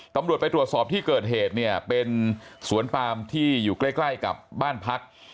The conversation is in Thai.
ตำรวจไปตรวจสอบที่เกิดเหตุเนี่ยเป็นสวนปามที่อยู่ใกล้ใกล้กับบ้านพัก